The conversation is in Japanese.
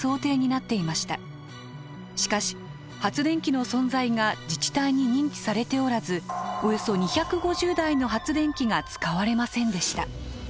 しかし発電機の存在が自治体に認知されておらずおよそ２５０台の発電機が使われませんでした。